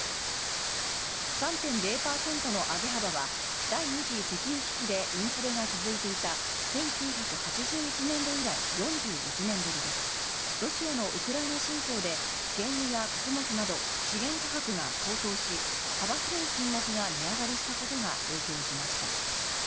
３．０％の上げ幅は第２次石油危機でインフレが続いていた１９８１年度以来４１年ぶりでロシアのウクライナ侵攻で原油や穀物など資源価格が高騰し幅広い品目が値上がりしたことが影響しました。